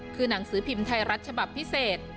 คือหนังสือพิมพ์ไทยรัฐฉบับพิเศษ